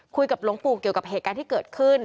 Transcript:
หลวงปู่เกี่ยวกับเหตุการณ์ที่เกิดขึ้น